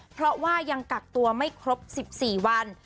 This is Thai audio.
เพราะว่ายังกักตัวไม่ครบ๑๔วัน